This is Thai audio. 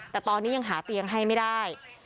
แต่ตอนนี้ยังหาเตียงให้ไม่ได้